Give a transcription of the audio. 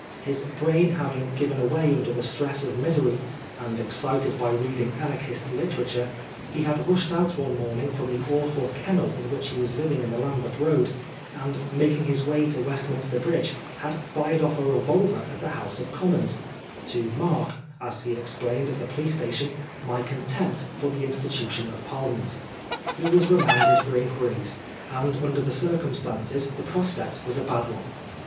His brain having given way under the stress of misery, and excited by reading Anarchist literature, he had rushed out one morning from the awful kennel in which he was living in the Lambeth Road, and making his way to Westminster Bridge, had fired off a revolver at the House of Commons, "to mark," as he explained at the police station, 104 Oscar Wilde "my contempt for the institution of Parlia ment/' He was remanded for inquiries, and under the circumstances the prospect was a bad one.